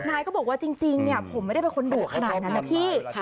นายก็บอกว่าจริงผมไม่ได้เป็นคนดุขนาดนั้นนะพี่